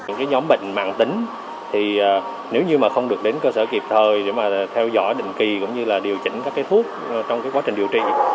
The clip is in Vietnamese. những nhóm bệnh mạng tính nếu như không được đến cơ sở kịp thời để theo dõi định kỳ cũng như điều chỉnh các thuốc trong quá trình điều trị